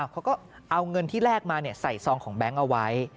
เขาก็เอาเงินที่แลกมาใส่ซองของแบงค์เอาไว้